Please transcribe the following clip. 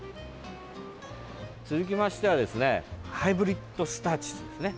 続きましてはですねハイブリッドスターチスですね。